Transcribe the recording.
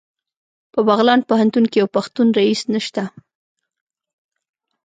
په بغلان پوهنتون کې یو پښتون رییس نشته